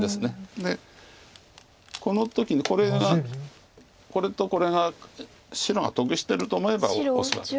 でこの時にこれがこれとこれが白が得してると思えばオスわけで。